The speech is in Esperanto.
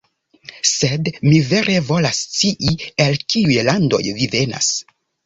Sed, mi vere volas scii, el kiuj landoj vi venas.